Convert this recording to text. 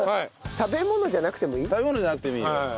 食べ物じゃなくてもいいよ。